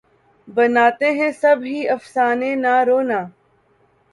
بناتے ہیں سب ہی افسانے نہ رونا